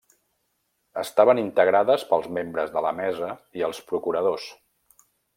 Estaven integrades pels membres de la Mesa i els procuradors.